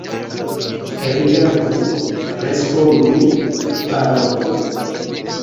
Rigardu, respondu, parolu!